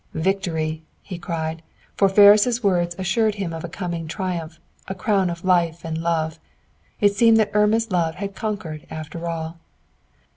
"Victory!" he cried, for Ferris' words assured him of a coming triumph, a crown of life and love. It seemed that Irma's love had conquered after all.